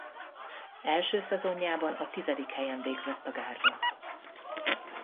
Első szezonjában a tizedik helyen végzett a gárda.